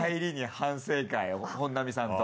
本並さんと。